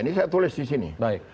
ini saya tulis di sini